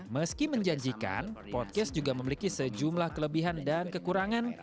meski menjanjikan podcast juga memiliki sejumlah kelebihan dan kekurangan